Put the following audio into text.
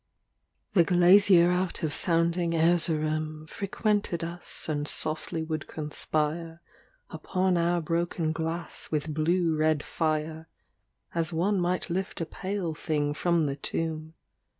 LII The glazier out of sounding Erzerum, Frequented us and softly would conspire Upon our broken glass with blue red fire, As one might lift a pale thing from the tomb.